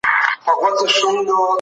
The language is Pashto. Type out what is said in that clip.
سياست د اقتصاد په پرتله پېچلی دی.